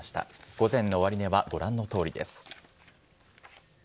午前の終値はご覧のとおりです。